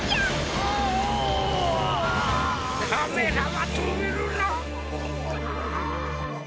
カメラはとめるな。